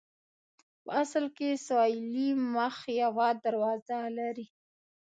په اصل کې سویلي مخ یوه دروازه لري.